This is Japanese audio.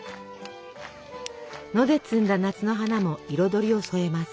野で摘んだ夏の花も彩りを添えます。